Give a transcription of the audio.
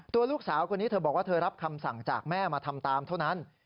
ตัวลูกสาวคนนี้เธอบอกว่าเธอรับคำสั่งจากแม่มาทำตามเท่านั้น